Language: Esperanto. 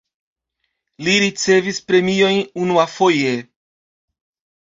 Li ricevis premiojn unuafoje.